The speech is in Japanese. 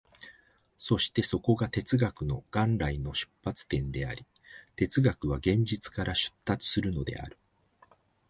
そしてそこが哲学の元来の出発点であり、哲学は現実から出立するのである。